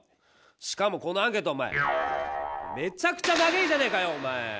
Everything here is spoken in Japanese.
しかもこのアンケートおまえめちゃくちゃ長えじゃねえかよおまえ！